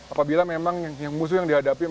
apabila memang yang musuh yang dihadapi